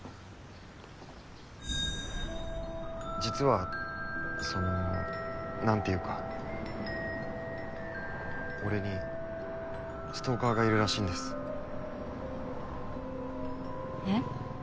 実はそのなんていう俺にストーカーがいるらしいんですえっ？